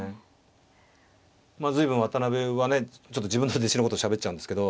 まあ随分渡辺はねちょっと自分の弟子のことしゃべっちゃうんですけど。